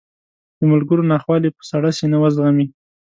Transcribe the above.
د ملګرو ناخوالې په سړه سینه وزغمي.